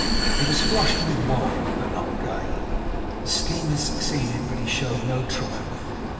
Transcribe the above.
He was flushed with wine, but not gay. His scheme had succeeded, but he showed no triumph.